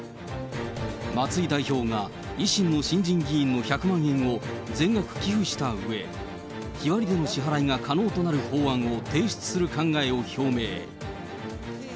松井代表が維新の新人議員の１００万円を全額寄付したうえ、日割りでの支払いが可能となる法案を提出する考えを表明。